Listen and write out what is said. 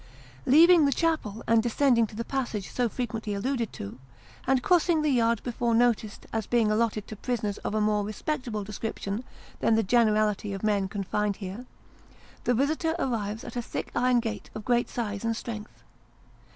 Leaving the chapel, descending to the passage so frequently alluded to, and crossing the yard before noticed as being allotted to prisoners of a more respectable description than the generality of men confined here, the visitor arrives at a thick iron gate of great size and strength.